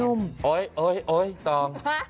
อุ้ยตอง